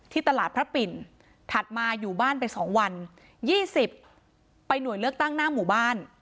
ตลาดพระปิ่นถัดมาอยู่บ้านไป๒วัน๒๐ไปหน่วยเลือกตั้งหน้าหมู่บ้าน